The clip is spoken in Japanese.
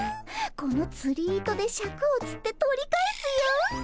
このつり糸でシャクをつって取り返すよ。